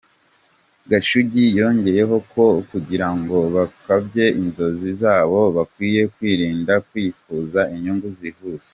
Gashugi yongeyeho ko kugira ngo bakabye inzozi zabo bakwiye kwirinda kwifuza inyungu zihuse.